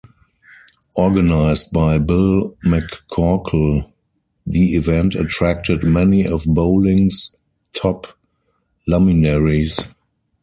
Organized by Bill McCorkle, the event attracted many of bowling's top luminaries.